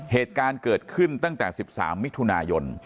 เหตุการณ์เกิดขึ้นตั้งแต่๑๓มิถุนายน